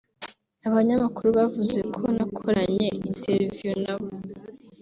Abanyamakuru bavuze ko nakoranye interview nabo